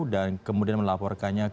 dan kemudian melaporkannya ke